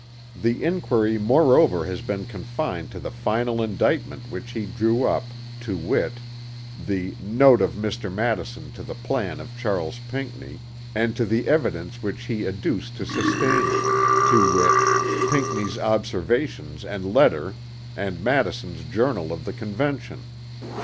The inquiry moreover has been confined to the final indictment which he drew up, to wit, the "Note of Mr. Madison to the Plan of Charles Pinckney," and to the evidence which he adduced to sustain it, to wit Pinckney's Observations and letter and Madison's Journal of the Convention.